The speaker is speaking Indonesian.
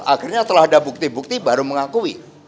akhirnya telah ada bukti bukti baru mengakui